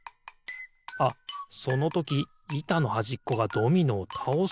あっそのときいたのはじっこがドミノをたおすのかな？